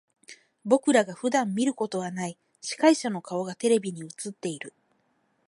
僕らが普段見ることはない司会者の顔がテレビに映っている。